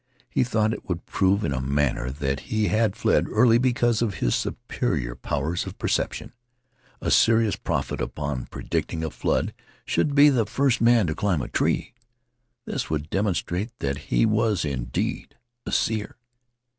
He thought it would prove, in a manner, that he had fled early because of his superior powers of perception. A serious prophet upon predicting a flood should be the first man to climb a tree. This would demonstrate that he was indeed a seer.